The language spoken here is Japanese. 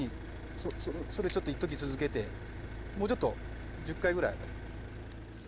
それちょっと一時続けてもうちょっと１０回ぐらい。